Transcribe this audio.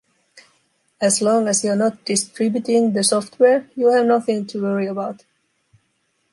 As long as you're not distributing the software, you have nothing to worry about.